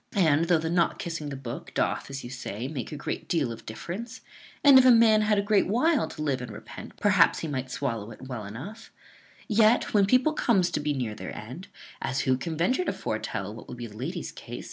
And, though the not kissing the book doth, as you say, make a great deal of difference; and, if a man had a great while to live and repent, perhaps he might swallow it well enough; yet, when people comes to be near their end (as who can venture to foretel what will be the lady's case?)